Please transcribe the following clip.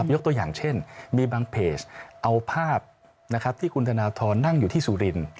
ยกตัวอย่างเช่นมีบางเพจเอาภาพที่คุณธนทรนั่งอยู่ที่สุรินทร์